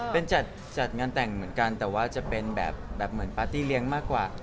เป็นแจดงานแต่งเหมือนกันแต่จะเป็นแบบเมื่อพื้นที่เรียงมากกว่า